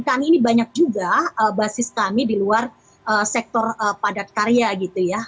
kami ini banyak juga basis kami di luar sektor padat karya gitu ya